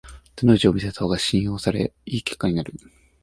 手の内を見せた方が信用され良い結果になる